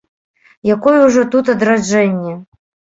Якое ўжо тут адраджэнне.